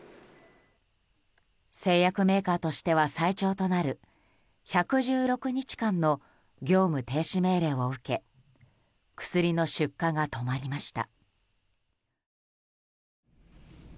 製薬メーカーとしては最長となる１１６日間の業務停止命令を受け薬の出荷が止まりました。